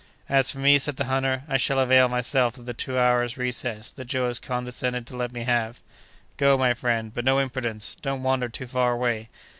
"As for me," said the hunter, "I shall avail myself of the two hours' recess that Joe has condescended to let me have." "Go, my friend, but no imprudence! Don't wander too far away."